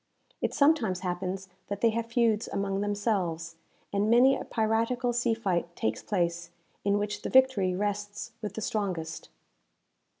It sometimes happens that they have feuds among themselves, and many a piratical sea fight takes place, in which the victory rests with the strongest.